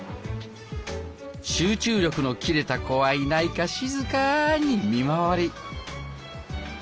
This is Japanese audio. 集中力の切れた子はいないか静かに見回り。